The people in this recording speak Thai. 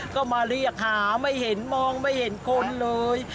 ก็มาเรียกหาไม่เห็นมองไม่เห็นคนเลย